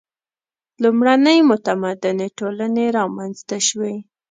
• لومړنۍ متمدنې ټولنې رامنځته شوې.